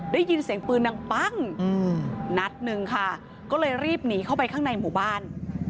ได้ยินเสียงปืนดังปั้งนัดหนึ่งค่ะก็เลยรีบหนีเข้าไปข้างในหมู่บ้าน